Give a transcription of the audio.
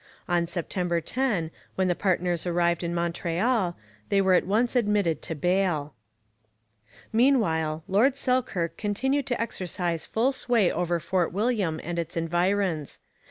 On September 10, when the partners arrived in Montreal, they were at once admitted to bail. Meanwhile, Lord Selkirk continued to exercise full sway over Fort William and its environs.